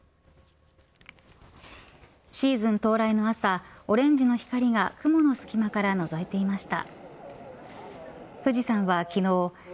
シーズン到来の朝オレンジの光が雲の隙間からのぞいていました。